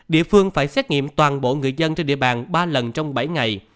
địa phương phải xét nghiệm toàn bộ người dân trên địa bàn ba lần trong bảy ngày